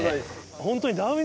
ホントに。